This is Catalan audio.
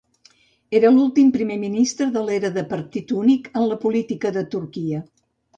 Era l'últim primer ministre de l'era de partit únic en la política de Turquia.